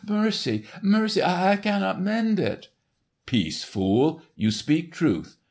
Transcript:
Mercy, mercy! I cannot mend it!" "Peace, fool! You speak truth.